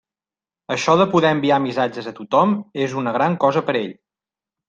Això de poder enviar missatges a tothom és una cosa gran per a ell.